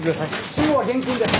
私語は厳禁です！